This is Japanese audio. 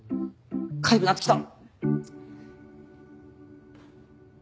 かゆくなってきた。